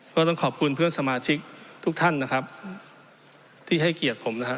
ก็ต้องขอบคุณเพื่อนสมาชิกทุกท่านนะครับที่ให้เกียรติผมนะฮะ